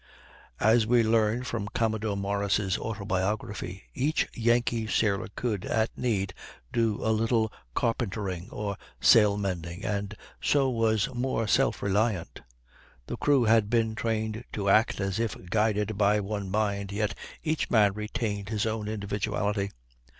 As we learn from Commodore Morris' "Autobiography," each Yankee sailor could, at need, do a little carpentering or sail mending, and so was more self reliant. The crew had been trained to act as if guided by one mind, yet each man retained his own individuality.